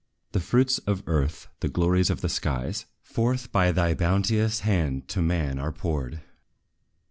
The fruits of earth, the glories of the skies Forth by thy bounteous hand to man are poured.